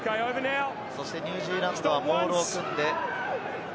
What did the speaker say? ニュージーランドはモールを組んで。